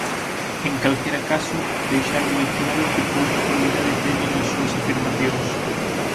En calquera caso, deixar moi claro que pouca realidade teñen as súas afirmacións.